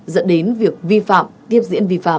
dẫn đến việc vi phạm tiếp diễn vi phạm